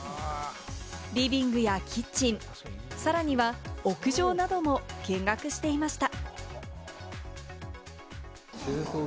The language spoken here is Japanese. リビングやキッチン、さらには屋上なども見学していました。